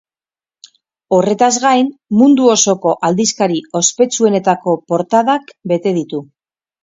Horretaz gain, mundu osoko aldizkari ospetsuenetako portadak bete ditu.